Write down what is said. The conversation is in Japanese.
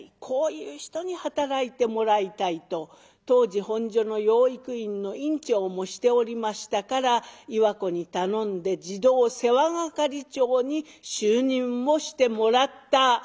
こういう人に働いてもらいたい」と当時本所の養育院の院長もしておりましたから岩子に頼んで児童世話係長に就任をしてもらった。